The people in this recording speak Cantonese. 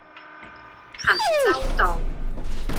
衡州道